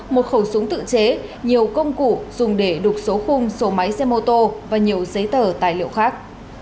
một khẩu súng tự chế nhiều công cụ dùng để đục số khung số máy xe mô tô và nhiều giấy tờ tài liệu khác